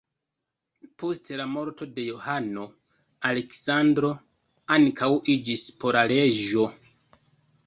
Post la morto de Johano, Aleksandro ankaŭ iĝis pola reĝo.